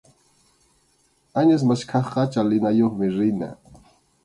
Añas maskaqqa chalinayuqmi rina.